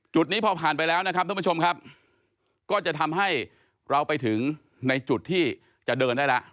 นี้พอผ่านไปแล้วนะครับท่านผู้ชมครับก็จะทำให้เราไปถึงในจุดที่จะเดินได้แล้ว